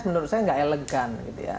menurut saya nggak elegan